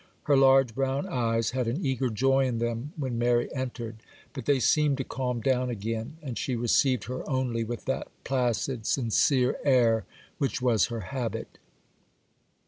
Her large brown eyes had an eager joy in them when Mary entered; but they seemed to calm down again, and she received her only with that placid, sincere air which was her habit.